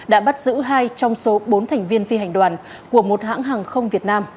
đã bắt giữ hai trong số bốn thành viên phi hành đoàn của một hãng hàng không việt nam